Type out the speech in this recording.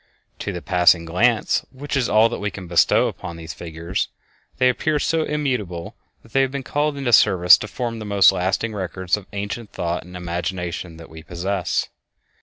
To the passing glance, which is all that we can bestow upon these figures, they appear so immutable that they have been called into service to form the most lasting records of ancient thought and imagination that we possess.